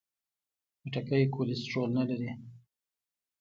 خټکی کولیسټرول نه لري.